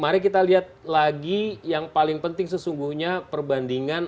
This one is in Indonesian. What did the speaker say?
mari kita lihat lagi yang paling penting sesungguhnya perbandingan